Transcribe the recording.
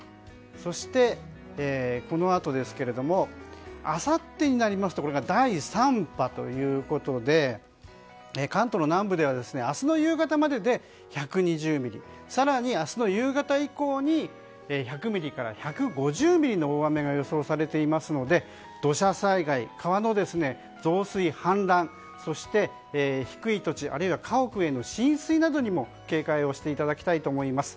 そして、このあとあさってになりますとこれが第３波ということで関東の南部では明日の夕方までで１２０ミリ更に明日の夕方以降に１００ミリから１５０ミリの大雨が予想されていますので土砂災害川の増水・氾濫そして、低い土地あるいは家屋への浸水などにも警戒していただきたいと思います。